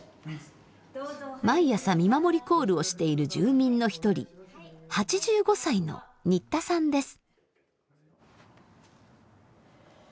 毎朝見守りコールをしている住民の一人８５歳の新田さんです。